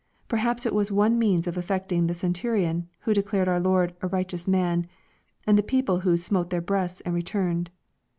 Perhaps it was one means of affecting the centurion, who declared our Lord " a righteous man," and the people who '* smote their breasts and returned."